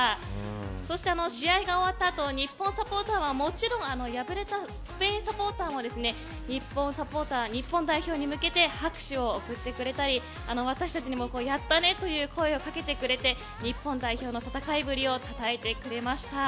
そして、試合が終わったあと日本サポーターはもちろん敗れたスペインサポーターも日本サポーター日本代表に向けて拍手を送ってくれたり私たちにもやったねという声をかけてくれて日本代表の戦いぶりをたたえてくれました。